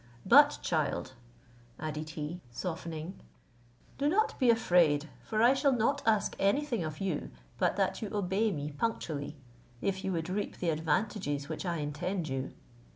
But, child," added he, softening, "do not be afraid; for I shall not ask any thing of you, but that you obey me punctually, if you would reap the advantages which I intend you."